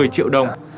một mươi triệu đồng